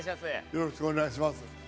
よろしくお願いします。